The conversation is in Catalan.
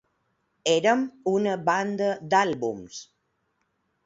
Érem una banda d'àlbums.